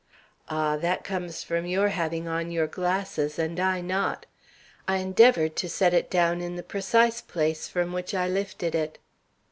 "Ah, that comes from your having on your glasses and I not. I endeavored to set it down in the precise place from which I lifted it."